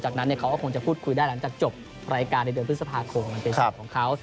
จากนั้นเขาก็คงจะพูดคุยได้หลังจากจบรายการในเดือนพฤษภาคมมันเป็นส่วนของเขา